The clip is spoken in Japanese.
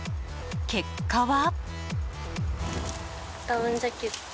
結果は？